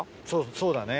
そうだね。